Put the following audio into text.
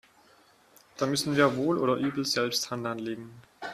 Da müssen wir wohl oder übel selbst Hand anlegen.